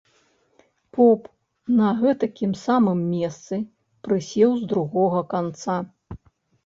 Поп на гэтакім самым месцы прысеў з другога канца.